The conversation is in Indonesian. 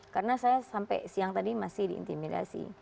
karena saya sampai siang tadi masih diintimidasi